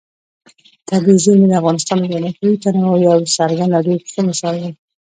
طبیعي زیرمې د افغانستان د جغرافیوي تنوع یو څرګند او ډېر ښه مثال دی.